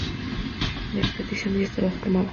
La expedición ya estaba formada.